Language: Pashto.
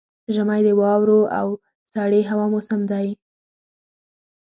ژمی د واورو او سړې هوا موسم دی.